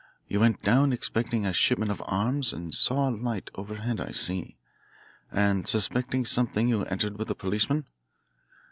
You went down expecting a shipment of arms and saw a light overhead I see and suspecting something you entered with a policeman.